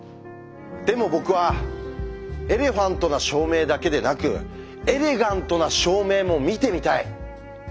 でも僕は「エレファント」な証明だけでなく「エレガント」な証明も見てみたい。